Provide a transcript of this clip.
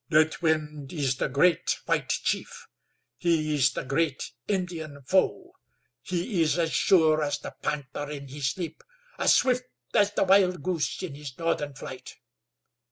"Deathwind is the great white chief; he is the great Indian foe; he is as sure as the panther in his leap; as swift as the wild goose in his northern flight.